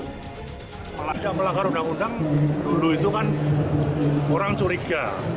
kalau tidak melanggar undang undang dulu itu kan orang curiga